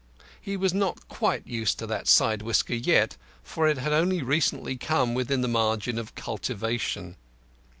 He was not quite used to that side whisker yet, for it had only recently come within the margin of cultivation.